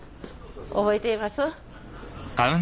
覚えています？